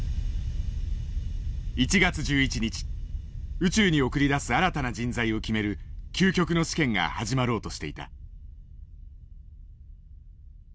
宇宙に送り出す新たな人材を決める究極の試験が始まろうとしていた。